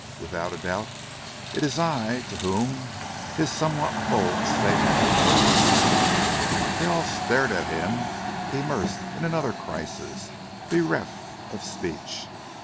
Without a doubt, it is I to whom his somewhat bold statement refers." They all stared at him, immersed in another crisis, bereft of speech.